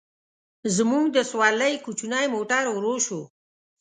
زموږ د سورلۍ کوچنی موټر ورو شو.